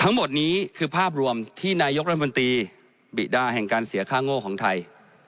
ทั้งหมดนี้คือภาพรวมที่นายกรัฐมนตรีบิดาแห่งการเสียค่าโง่ของไทย